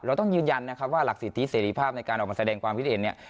ต้องยืนยันนะครับว่าหลักสิทธิเสรีภาพในการออกมาแสดงความคิดเห็นเนี่ย